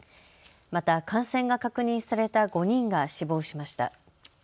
また感染が確認された５人が死亡しました。